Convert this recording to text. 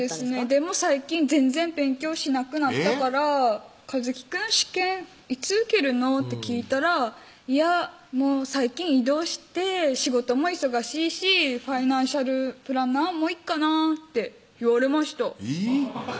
でも最近全然勉強しなくなったから「一紀くん試験いつ受けるの？」って聞いたら「いやもう最近異動して仕事も忙しいしファイナンシャルプランナーもういっかな」って言われましたいぃ？